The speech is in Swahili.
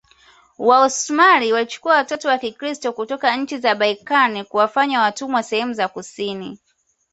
Waosmani walichukua watoto wa Kikristo kutoka nchi za Balkani kuwafanya watumwa sehemu za kusini